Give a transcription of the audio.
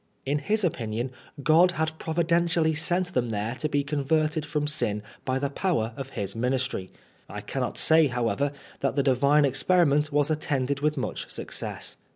In his opinion, Gtod Y^od providentially sent them there to be converted from sin by the power of his ministry. I cannot say, however, that the divine experiment was attended with much success.